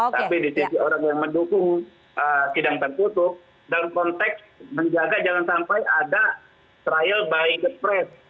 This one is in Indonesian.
tapi di sisi orang yang mendukung sidang tertutup dalam konteks menjaga jangan sampai ada trial by the press